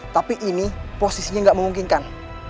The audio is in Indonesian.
tapi ini posisinya nggak memungkinkan